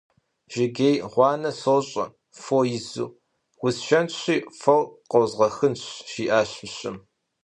Жыгей гъуанэ сощӏэ, фо изу, усшэнщи, фор къозгъэхынщ, - жиӏащ мыщэм.